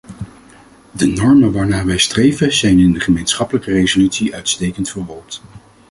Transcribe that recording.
De normen waarnaar wij streven zijn in de gemeenschappelijke resolutie uitstekend verwoord.